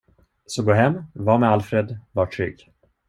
Så gå hem, var med Alfred, var trygg.